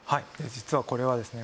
実はこれはですね